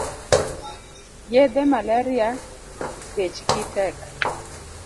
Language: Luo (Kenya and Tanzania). Yedhe malaria bech gi tek